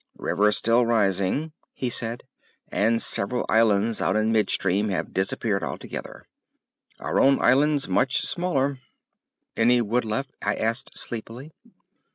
"River still rising," he said, "and several islands out in mid stream have disappeared altogether. Our own island's much smaller." "Any wood left?" I asked sleepily.